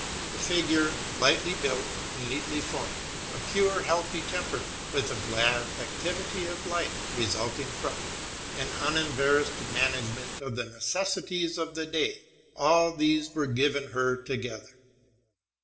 A figure lightly built and neatly formed ; a pure, healthy tem perament, with a glad activity of life resulting from it; an unembarrassed management of the necessities of the day, — all these were given "her together.